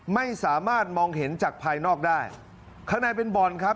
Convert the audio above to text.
ไม่สามารถมองเห็นจากภายนอกได้ข้างในเป็นบ่อนครับ